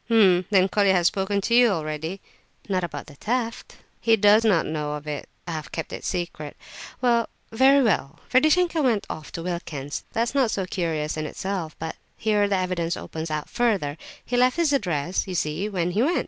"H'm! then Colia has spoken to you already?" "Not about the theft." "He does not know of it; I have kept it a secret. Very well, Ferdishenko went off to Wilkin's. That is not so curious in itself, but here the evidence opens out further. He left his address, you see, when he went.